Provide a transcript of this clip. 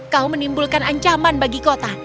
kau menimbulkan ancaman bagi kota